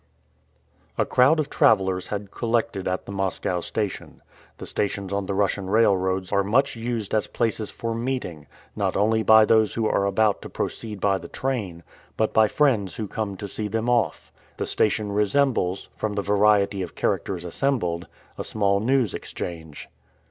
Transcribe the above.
A crowd of travelers had collected at the Moscow station. The stations on the Russian railroads are much used as places for meeting, not only by those who are about to proceed by the train, but by friends who come to see them off. The station resembles, from the variety of characters assembled, a small news exchange.